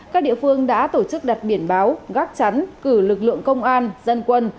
các địa phương đã tổ chức đặt biển báo gác chắn cử lực lượng công an dân quân